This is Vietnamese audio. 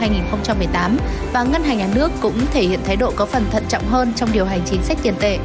và ngân hàng nhà nước cũng thể hiện thái độ có phần thận trọng hơn trong điều hành chính sách tiền tệ